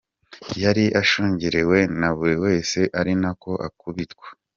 Yari ashungerewe na buri wese ari na ko akubitwa.